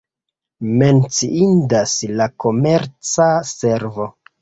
Menciindas la komerca servo.